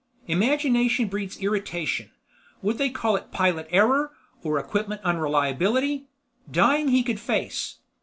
Imagination breeds irritation. Would they call it pilot error or equipment unreliability? Dying he could face.